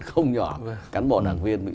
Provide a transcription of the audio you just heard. không nhỏ cán bộ đảng viên bị